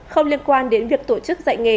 không liên quan đến việc tổ chức dạy nghề